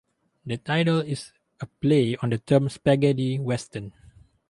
The title is a play on the term Spaghetti Western.